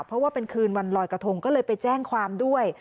เพราะว่าเป็นคืนวันลอยกระทงก็เลยไปแจ้งความด้วย